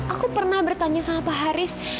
aku pernah bertanya sama pak haris